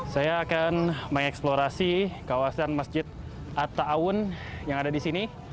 saya akan mengeksplorasi kawasan masjid atta awun yang ada di sini